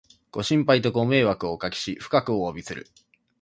ご心配とご迷惑をおかけし、深くおわびする